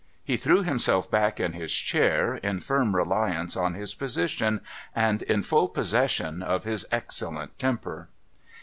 He threw himself back in his chair, in firm reliance on his position, and in full possession of his excellent temper.